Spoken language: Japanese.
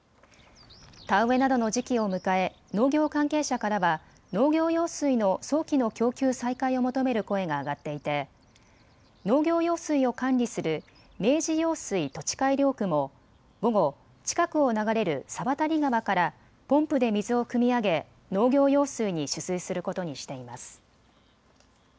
田植えなどの時期を迎え農業関係者からは農業用水の早期の供給再開を求める声が上がっていて農業用水を管理する明治用水土地改良区も午後、近くを流れる猿渡川からポンプで水をくみ上げ農業用水に取水することにしています。